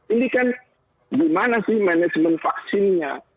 ini kan gimana sih manajemen vaksinnya